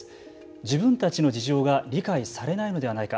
自分たちの事情が理解されないのではないか。